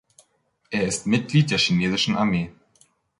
Er ist Mitglied der chinesischen Armee.